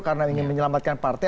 karena ingin menyelamatkan partai